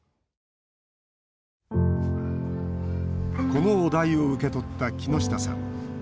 このお題を受け取った木下さん。